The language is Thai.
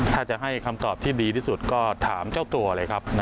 ถ้าจะให้คำตอบที่ดีที่สุดก็ถามเจ้าตัวเลยครับ